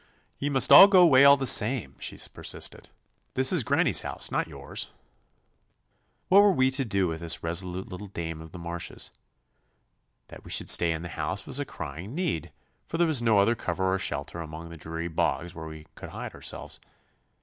'Ye must go 'way all the same,' she persisted; 'this is granny's house, not yours.' What were we to do with this resolute little dame of the marshes? That we should stay in the house was a crying need, for there was no other cover or shelter among the dreary bogs where we could hide ourselves.